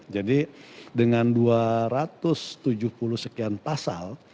jadi dengan dua ratus tujuh puluh sekian pasal